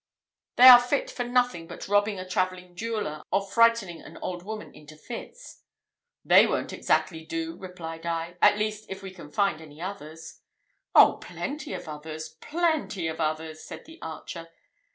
They are fit for nothing but robbing a travelling jeweller, or frightening an old woman into fits." "They won't exactly do," replied I "at least if we can find any others." "Oh, plenty of others! plenty of others!" said the archer.